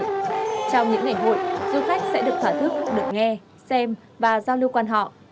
trong những ngày hội du khách sẽ được thỏa thức được nghe xem và giao lưu quan họ